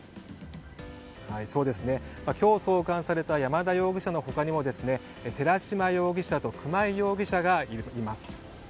今日送還された山田容疑者の他にも寺島容疑者と熊井容疑者がいます。